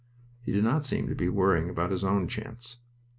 He did not seem to be worrying about his own chance.